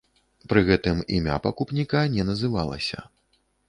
Пры гэтым імя пакупніка не называлася.